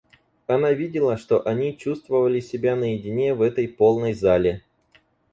Она видела, что они чувствовали себя наедине в этой полной зале.